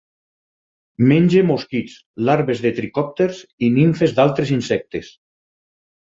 Menja mosquits, larves de tricòpters i nimfes d'altres insectes.